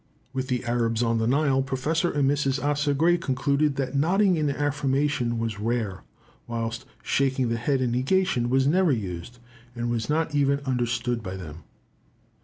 With the Arabs on the Nile, Professor and Mrs. Asa Gray concluded that nodding in affirmation was rare, whilst shaking the head in negation was never used, and was not even understood by them.